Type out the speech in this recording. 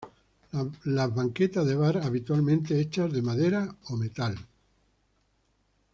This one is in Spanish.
Las banquetas de bar habitualmente hechas de madera o metal.